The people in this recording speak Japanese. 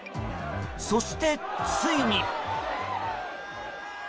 そして、ついに。